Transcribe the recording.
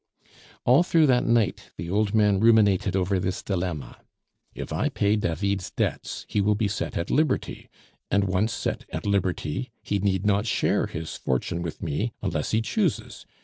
All through that night the old man ruminated over this dilemma "If I pay David's debts, he will be set at liberty, and once set at liberty, he need not share his fortune with me unless he chooses.